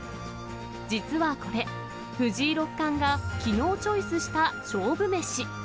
実はこれ、藤井六冠がきのうチョイスした勝負メシ。